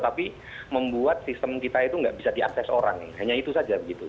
tapi membuat sistem kita itu nggak bisa diakses orang hanya itu saja gitu